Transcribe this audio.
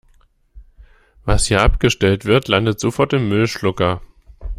Was hier abgestellt wird, landet sofort im Müllschlucker.